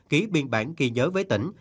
ký biên bản kỳ nhớ với tỉnh